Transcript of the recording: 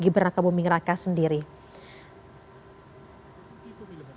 banyak kebumi mereka sendiri hai hai the forum